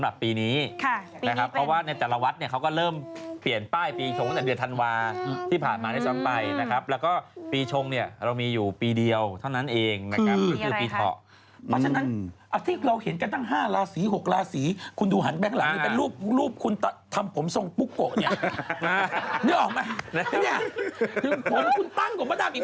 อาจจะมีเวลาจำกัดนิดหนึ่งนะฮะอาจจะมีเวลาจำกัดนิดหนึ่งนะฮะอาจจะมีเวลาจำกัดนิดหนึ่งนะฮะอาจจะมีเวลาจำกัดนิดหนึ่งนะฮะอาจจะมีเวลาจำกัดนิดหนึ่งนะฮะอาจจะมีเวลาจำกัดนิดหนึ่งนะฮะอาจจะมีเวลาจำกัดนิดหนึ่งนะฮะอาจจะมีเวลาจำกัดนิดหนึ่งนะฮะอาจจะมีเ